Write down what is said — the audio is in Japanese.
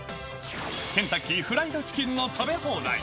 ケンタッキーフライドチキンの食べ放題。